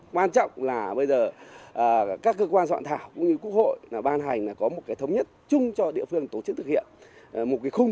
quan trọng là bây giờ các cơ quan dọn thảo cũng như quốc hội ban hành là có một cái thống nhất chung cho địa phương tổ chức thực hiện một cái khung